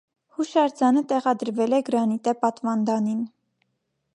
Հուշարձանը տեղադրվել է գրանիտե պատվանդանին։